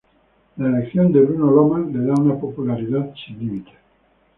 La elección de Bruno Lomas le da una popularidad sin límites.